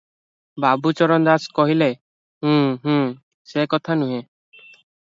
ବାବୁ ଚରଣ ଦାସ କହିଲେ-ଉଁ-ହୁଁ, ସେ କଥା ନୁହେ ।